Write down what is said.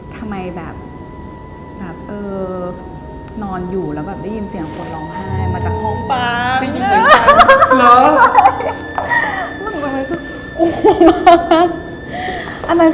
ทำไมนอนอยู่แล้วได้ยินเสียงฟ้นร้องไห้มาจากห้องปลาง